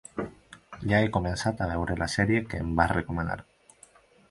Ja he começat a veure la sèrie que em vas recomanar.